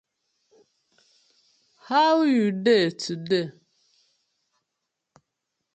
How you dey today?